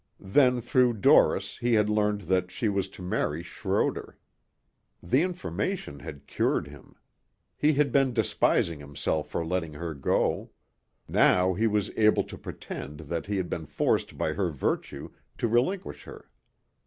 Then through Doris he had learned that she was to marry Schroder. The information had cured him. He had been despising himself for letting her go. Now he was able to pretend that he had been forced by her virtue to relinquish her.